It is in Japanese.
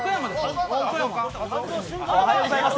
おはようございます。